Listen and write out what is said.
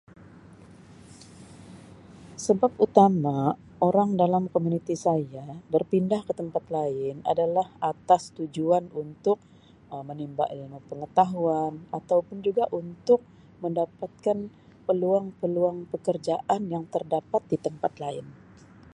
Sebab utama orang dalam komuniti saya berpindah ke tempat lain adalah atas tujuan untuk Um menimba ilmu pengetahuan atau pun juga untuk mendapatkan peluang-peluang pekerjaan yang terdapat di tempat lain.